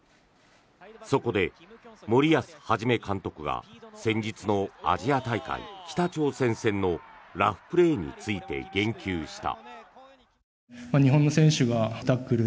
そこで森保一監督が先日のアジア大会、北朝鮮戦のラフプレーについて言及した。